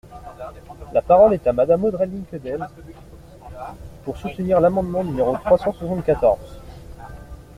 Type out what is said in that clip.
La parole est à Madame Audrey Linkenheld, pour soutenir l’amendement numéro trois cent soixante-quatorze.